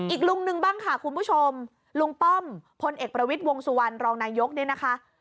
อีกลุงหนึ่งบ้างค่ะคุณผู้ชมลุงป้อมพลเอกประวิทย์วงสุวรรณรองนายกเนี่ยนะคะ